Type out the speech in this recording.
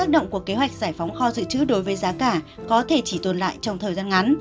động của kế hoạch giải phóng kho dự trữ đối với giá cả có thể chỉ tồn lại trong thời gian ngắn